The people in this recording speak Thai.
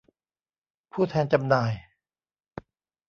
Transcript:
ผู้แทนจำหน่าย